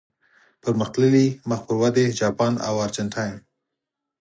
پرمختللي، مخ پر ودې، جاپان او ارجنټاین.